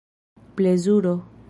plezuro